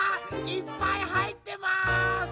いっぱいはいってます！